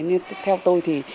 nên theo tôi thì